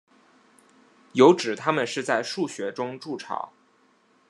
有指它们是在树穴中筑巢。